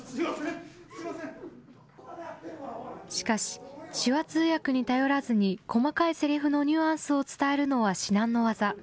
しかし、手話通訳に頼らずに細かいせりふのニュアンスを伝えるのは、至難の業。